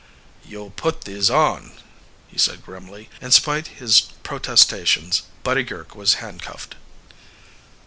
"You'll put these on," he said grimly, and spite his protestations Buddy Girk was handcuffed.